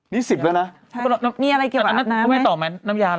มีอะไรเกี่ยวอาบน้ำไหม